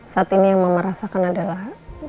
saat ini yang mama rasakan adalah